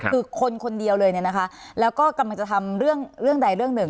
คือคนคนเดียวเลยเนี่ยนะคะแล้วก็กำลังจะทำเรื่องเรื่องใดเรื่องหนึ่ง